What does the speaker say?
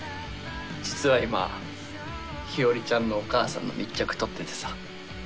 実は今日和ちゃんのお母さんの密着撮っててさ。